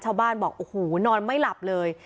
ชาวบ้านบอกโอ้โหนอนไม่หลับเลย